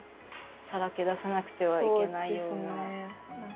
さらけ出さなくてはいけないような。